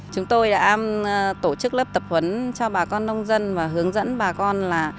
chúng tôi đã tổ chức lớp tập huấn cho bà con nông dân và hướng dẫn bà con là